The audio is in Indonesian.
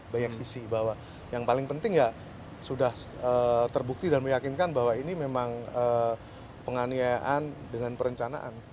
banyak sisi bahwa yang paling penting ya sudah terbukti dan meyakinkan bahwa ini memang penganiayaan dengan perencanaan